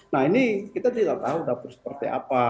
nah ini kita tidak tahu dapur seperti apa